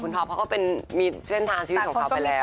ท็อปเขาก็เป็นมีเส้นทางชีวิตของเขาไปแล้ว